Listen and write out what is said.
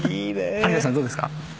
有田さんどうですか？